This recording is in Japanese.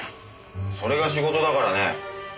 それが仕事だからね。